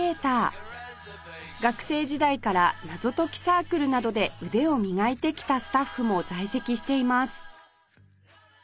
学生時代から謎解きサークルなどで腕を磨いてきたスタッフも在籍しています